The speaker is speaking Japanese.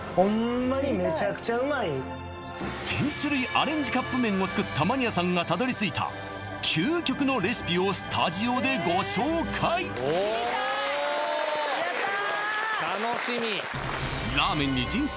アレンジカップ麺を作ったマニアさんがたどり着いた究極のレシピをスタジオでご紹介・やったー